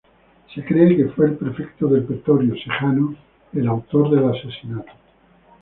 Se cree que fue el prefecto del pretorio, Sejano, el autor del asesinato.